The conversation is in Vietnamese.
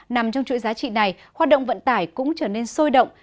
nằm trong chuỗi giá trị này hoạt động vận tải cũng trở nên sôi động